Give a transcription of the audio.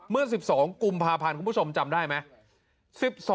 เมื่อ๑๒กุมภาพันธ์คุณผู้ชมจำได้ไหม